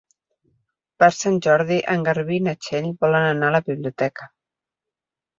Per Sant Jordi en Garbí i na Txell volen anar a la biblioteca.